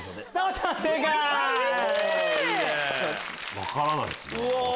分からないっすね